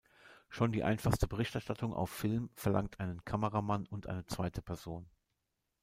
Schon die einfachste Berichterstattung auf Film verlangt einen Kameramann und eine zweite Person.